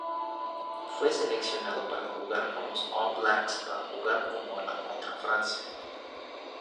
Fue seleccionado para jugar con los All Blacks para jugar como ala contra Francia.